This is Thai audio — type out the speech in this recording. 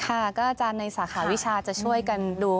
ค่ะก็อาจารย์ในสาขาวิชาจะช่วยกันดู